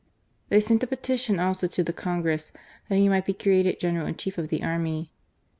They sent a petition also to the Congress that he might Tbe created General in Chief of the army.